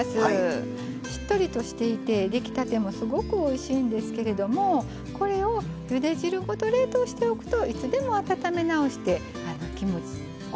しっとりとしていて出来たてもすごくおいしいんですけれどもこれをゆで汁ごと冷凍しておくといつでも温め直すことができます。